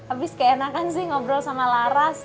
habis keenakan sih ngobrol sama laras